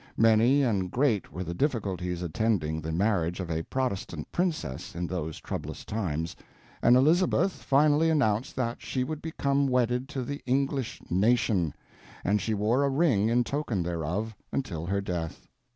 Many and great were the difficulties attending the marriage of a Protestant princess in those troublous times, and Elizabeth finally announced that she would become wedded to the English nation, and she wore a ring in token thereof until her death.